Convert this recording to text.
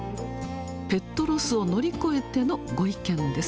ペットロスを乗り越えてのご意見です。